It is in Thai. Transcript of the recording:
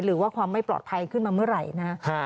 หรือว่าความไม่ปลอดภัยขึ้นมาเมื่อไหร่นะ